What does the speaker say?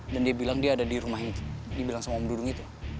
dan dia bilang dia ada di rumah yang dibilang sama om dudu itu